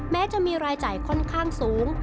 แม้จะมีรายจ่ายค่อนข้างสูง